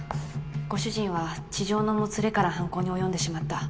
ご主人は痴情のもつれから犯行に及んでしまった。